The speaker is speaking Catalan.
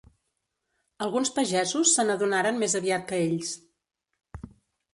Alguns pagesos se n'adonaren més aviat que ells.